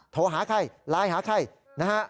โทรหาใครไลน์หาใครนะฮะ